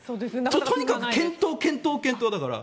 とにかく検討、検討だから。